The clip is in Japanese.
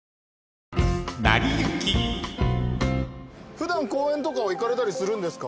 普段公園とかは行かれたりするんですか？